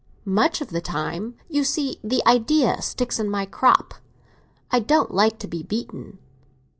"Much of the time. You see, the idea sticks in my crop. I don't like to be beaten."